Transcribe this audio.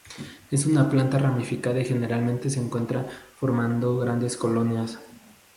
Es una planta ramificada y generalmente se encuentra formando grandes colonias.